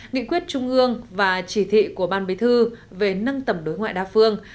nghị quyết trung ương và chỉ thị của ban bế thư về nâng tầm đối ngoại đa phương